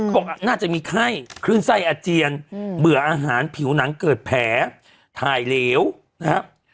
บอกน่าจะมีไข้คลื่นไส้อาเจียนเบื่ออาหารผิวหนังเกิดแผลถ่ายเหลวนะครับ